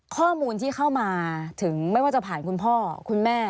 ข้อมูลที่เข้ามาถึงไม่ว่าจะผ่านคุณพ่อคุณแม่